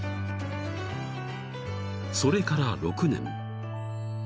［それから６年］